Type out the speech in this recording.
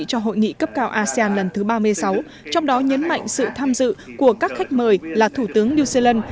cho hội nghị cấp cao asean lần thứ ba mươi sáu trong đó nhấn mạnh sự tham dự của các khách mời là thủ tướng new zealand